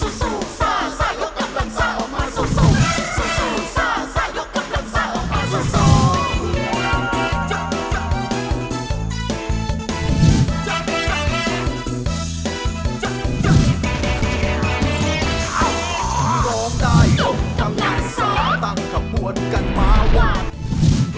ร้องได้ยกกำลังทราบ